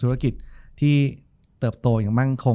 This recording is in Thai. จบการโรงแรมจบการโรงแรม